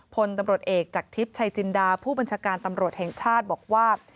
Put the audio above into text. พลตำรวจเอกจากทิพย์ชัยจินดาผู้บัญชาการตำรวจแห่งชาติบอกว่า